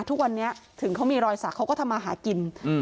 ทุกวันนี้ถึงเขามีรอยสักเขาก็ทำมาหากิน